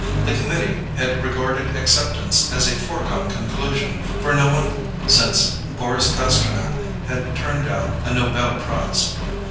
The Committee had regarded acceptance as a foregone conclusion, for no one since Boris Pasternak had turned down a Nobel Prize.